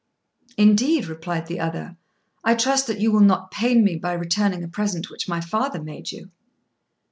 "Indeed," replied the other, "I trust that you will not pain me by returning a present which my father made you."